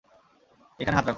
এইখানে হাত রাখো।